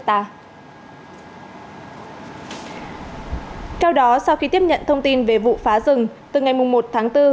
theo đó sau khi tiếp nhận thông tin về vụ phá rừng từ ngày một tháng bốn